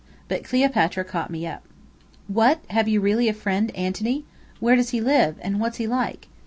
But Cleopatra caught me up. "What have you really a friend Antony? Where does he live? and what's he like?"